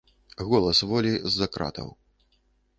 Голас волі з-за кратаў.